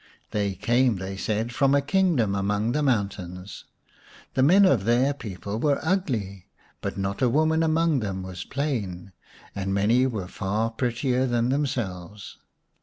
They came, they said, from a kingdom among the mountains. The men of their people were ugly, but not a woman among them was plain, and many were far prettier than themselves.